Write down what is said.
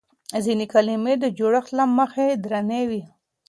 ځينې کلمې د جوړښت له مخې درنې وي.